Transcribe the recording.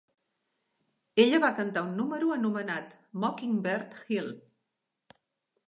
Ella va cantar un número anomenat "Mockingbird Hill".